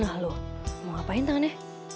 nah lo mau ngapain tangannya